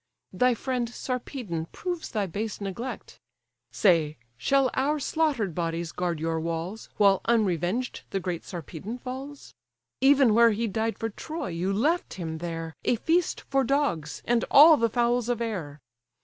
Thy friend Sarpedon proves thy base neglect; Say, shall our slaughter'd bodies guard your walls, While unreveng'd the great Sarpedon falls? Even where he died for Troy, you left him there, A feast for dogs, and all the fowls of air.